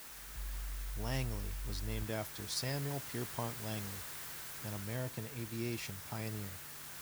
"Langley" was named after Samuel Pierpont Langley, an American aviation pioneer.